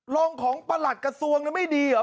รองของประหลัดกระทรวงไม่ดีหรอก